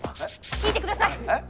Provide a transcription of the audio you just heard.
聞いてください！